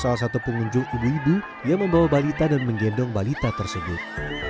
prabowo pun sempat menyapa salah satu pengunjung ibu ibu yang membawa balita dan menggendong balita tersebut